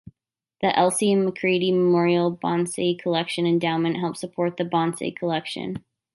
The Elsie MacCready Memorial Bonsai Collection Endowment helps support the Bonsai collection.